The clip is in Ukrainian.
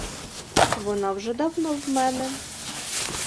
Вона вже давно в мене.